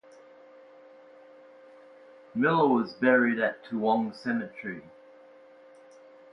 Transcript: Miller was buried at Toowong Cemetery.